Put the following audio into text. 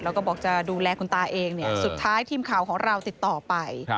แล้วก็บอกจะดูแลคุณตาเองสุดท้ายทีมข่าวของเราติดต่อไป